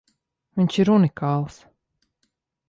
Viņš ir unikāls!